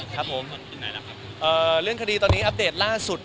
ขอตอบสิ่งที่ไหนแล้วครับเอ่อเรื่องคดีตอนนี้อัพเดทล่าสุด